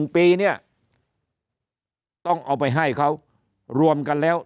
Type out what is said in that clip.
๑ปีเนี่ยต้องเอาไปให้เขารวมกันแล้ว